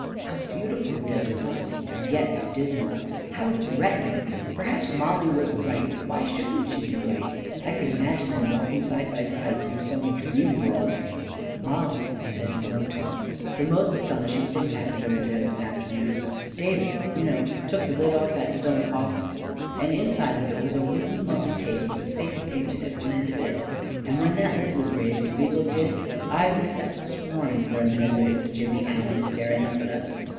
How beautiful the desert was — and yet how dismal — how threatening! Perhaps Mollie was right — A KING IN BABYLON 285 why shouldn't she be right? I could imagine them walking side by side through some dream world ..." Mollie," I said, in a low tone, " the most as tonishing thing happened over there this afternoon. Davis, you know, took the lid off that stone coffin, and inside of it was a wooden mummy case, with a face painted at one end of it; and when that lid was raised, and we looked in, I would have sworn for a minute that it was Jimmy Allen staring up at us.